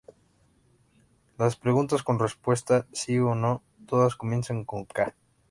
Las preguntas con respuesta sí o no, todas comienzan con "ka".